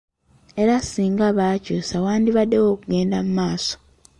Era singa bakyusa wandibaddewo okugenda mumaaso.